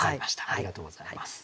ありがとうございます。